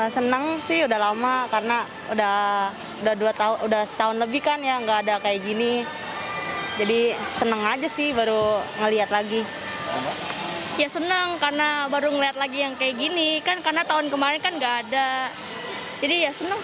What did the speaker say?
senang sih melihat kayak gini lagi